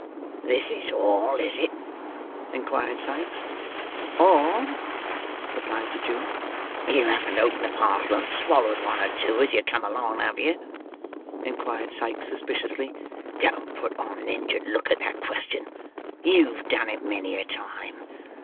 "This is all, is it?" inquired Sikes. "All," replied the Jew. "You haven't opened the parcel and swallowed one or two as you come along, have you?" inquired Sikes, suspiciously. "Don't put on an injured look at the question; you've done it many a time.